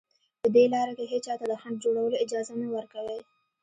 په دې لاره کې هېچا ته د خنډ جوړولو اجازه مه ورکوئ